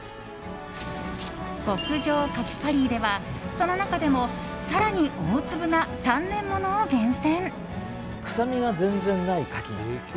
極上かきカリーでは、その中でも更に大粒な３年物を厳選。